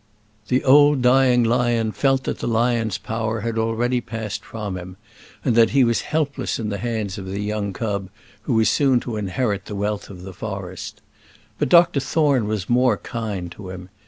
The old dying lion felt that the lion's power had already passed from him, and that he was helpless in the hands of the young cub who was so soon to inherit the wealth of the forest. But Dr Thorne was more kind to him.